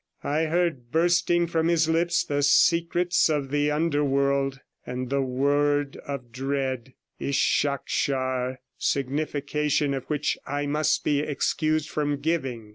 I heard bursting from his lips the secrets of the underworld, and the word of dread, 'Ishakshar', signification of which I must be excused from giving.